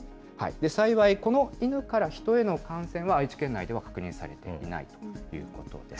幸いこの犬から人への感染は、愛知県内では確認されていないということです。